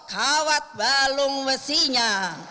kawat balung mesinya